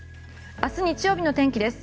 明日、日曜日の天気です。